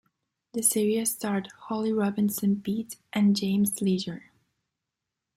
The series starred Holly Robinson Peete and James Lesure.